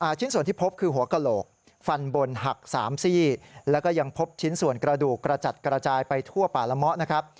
ชิ้นส่วนที่พบคือหัวกระโหลกฟันบนหัก๓ซี่แล้วก็ยังพบชิ้นส่วนกระดูกกระจัดกระจายไปทั่วป่าละเมาะนะครับ